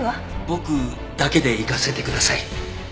僕だけで行かせてください。